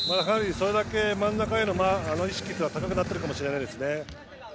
それだけ真ん中への意識というのは高くなってるかもしれないですね。